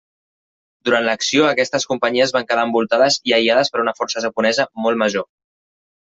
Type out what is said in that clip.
Durant l'acció, aquestes companyies van quedar envoltades i aïllades per una força japonesa molt major.